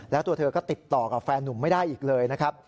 แล้วตัวเธอก็ติดต่อกับแฟนนุ่มไม่ได้อีกเลยนะครับ